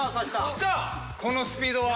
このスピードは。